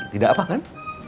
tidak apa kan